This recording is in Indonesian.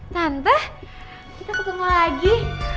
tante kita ketemu lagi